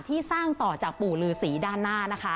ที่สร้างต่อจากปู่ลือศรีด้านหน้านะคะ